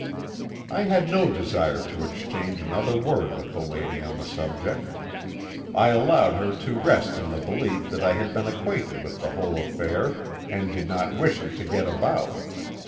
"I had no desire to exchange another word with the lady on the subject; I allowed her to rest in the belief that I had been acquainted with the whole affair, and did not wish it to get about.